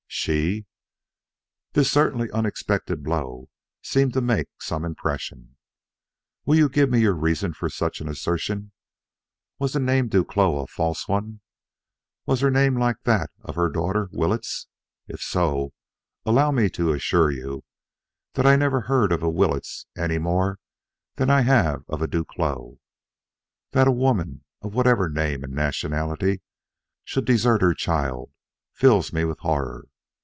"She?" This certainly unexpected blow seemed to make some impression. "Will you give me your reasons for such an assertion? Was the name Duclos a false one? Was her name like that of her daughter, Willetts? If so, allow me to assure you that I never heard of a Willetts any more than I have of a Duclos. That a woman of whatever name and nationality should desert her child fills me with horror.